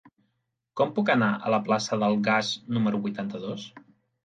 Com puc anar a la plaça del Gas número vuitanta-dos?